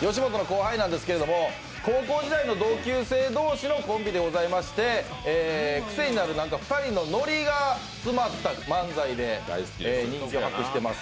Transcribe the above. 吉本の後輩なんですけれども高校時代の同級生同士のコンビでございまして、クセになる２人のノリが詰まった漫才で人気を博しています。